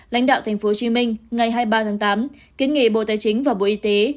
lãnh đạo tp hcm ngày hai mươi ba tháng tám kiến nghị bộ tài chính và bộ y tế